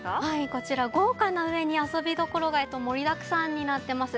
こちら、豪華なうえに遊びどころが盛りだくさんになっています。